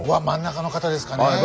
真ん中の方ですかね。